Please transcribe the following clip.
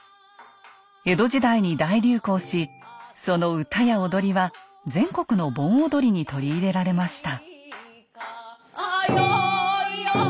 江戸時代に大流行しその歌や踊りは全国の盆踊りに取り入れられました。